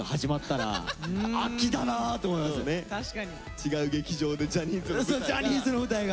違う劇場でジャニーズの舞台が。